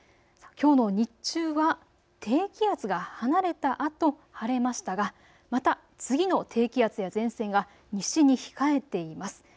きょうの日中は低気圧が離れたあと晴れましたがまた次の低気圧や前線が西に控えています。